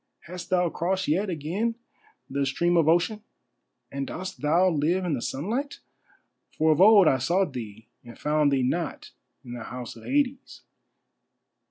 Hast thou crossed yet again the stream of Ocean, and dost thou live in the sunlight? For of old I sought thee and found thee not in the House of Hades?"